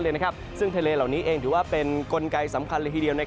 ประกอบทั้งทะเลซึ่งทะเลเหล่านี้เป็นกลไกสำคัญทีเดียว